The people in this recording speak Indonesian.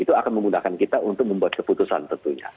itu akan memudahkan kita untuk membuat keputusan tentunya